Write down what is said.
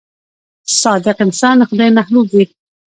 • صادق انسان د خدای محبوب وي.